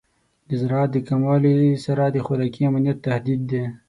د زراعت د کموالی سره د خوراکي امنیت تهدید دی.